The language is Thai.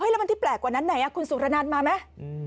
แล้วมันที่แปลกกว่านั้นไหนคุณสุรนันมาไหม